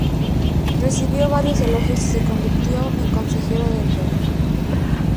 Recibió varios elogios y se convirtió en consejero del rey.